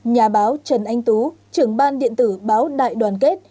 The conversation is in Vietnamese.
nhà báo trần anh tú trưởng ban điện tử báo đại đoàn kết